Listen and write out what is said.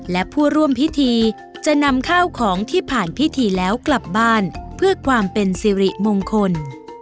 และผู้ร่วมพิธีจะนำข้าวของที่ผ่านพิธีแล้วกลับบ้านเพื่อความเป็นสิริมงคล